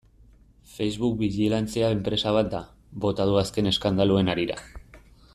Facebook bijilantzia enpresa bat da, bota du azken eskandaluen harira.